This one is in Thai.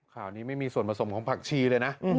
ข่าวนี้ไม่มีส่วนผสมของผักชีเลยนะ